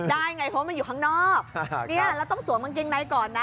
ได้ไงเพราะมันอยู่ข้างนอกแล้วต้องสวมกางเกงในก่อนนะ